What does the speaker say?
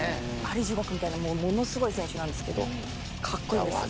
アリ地獄みたいなものすごい選手なんですけど格好いいんです。